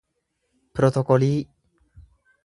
pirotokolii